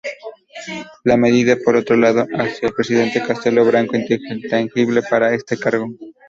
La medida, por otro lado, hacía al presidente Castelo Branco inelegible para este cargo.